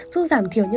giúp giảm thiểu